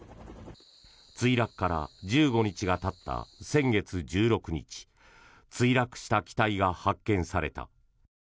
墜落から１５日がたった先月１６日墜落した機体が発見された。